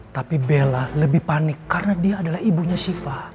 tapi bela lebih panik karena dia adalah ibunya shiva